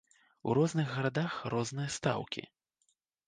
У розных гарадах розныя стаўкі.